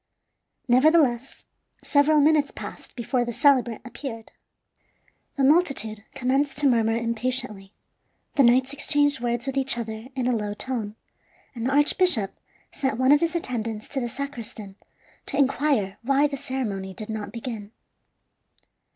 Nevertheless, several minutes passed before the celebrant appeared. The multitude commenced to murmur impatiently; the knights exchanged words with each other in a low tone; and the archbishop sent one of his attendants to the sacristan to inquire why the ceremony did not begin.